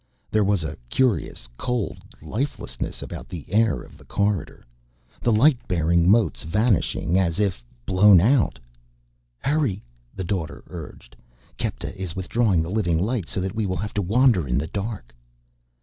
There was a curious cold lifelessness about the air of the corridor, the light bearing motes vanishing as if blown out. "Hurry!" the Daughter urged. "Kepta is withdrawing the living light, so that we will have to wander in the dark."